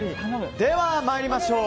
では参りましょう。